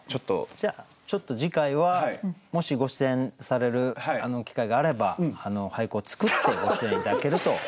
じゃあちょっと次回はもしご出演される機会があれば俳句を作ってご出演頂けると。